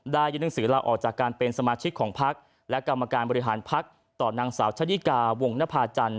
ได้ยินดึงสิราออกจากการเป็นสมาชิกของพักษ์และกรรมการบริหารพักษ์ต่อนางสาวชะดิกาวงนพาจันทร์